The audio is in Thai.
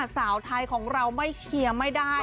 สาวไทยของเราไม่เชียร์ไม่ได้